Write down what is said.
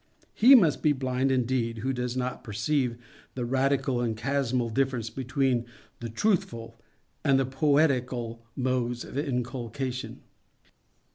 _He _must be blind indeed who does not perceive the radical and chasmal difference between the truthful and the poetical modes of inculcation.